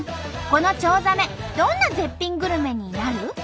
このチョウザメどんな絶品グルメになる？